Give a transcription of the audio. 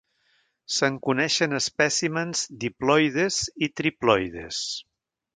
Se'n coneixen espècimens diploides i triploides.